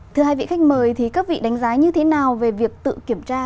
thưa hai vị khách mời các vị đánh giá như thế nào về việc tự kiểm tra